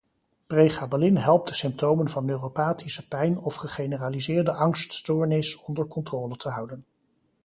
Pregabalin helpt de symptomen van neuropathische pijn of gegeneraliseerde angststoornis onder controle te houden.